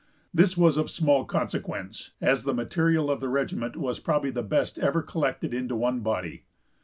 This was of small consequence, as the material of the regiment was probably the best ever collected into one body.